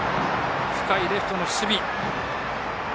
深いレフトの守備。